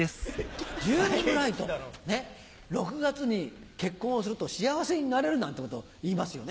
ジューンブライド６月に結婚をすると幸せになれるなんてこといいますよね。